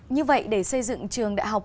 như vậy để xây dựng trường đại học